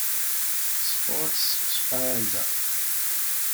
ސްޕޯޓްސް ސްޕަރވައިޒަރ